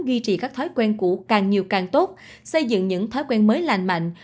duy trì các thói quen cũ càng nhiều càng tốt xây dựng những thói quen mới lành mạnh